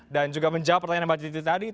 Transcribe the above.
dan juga menjawab pertanyaan mbak titi tadi